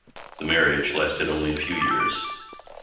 The marriage lasted only a few years.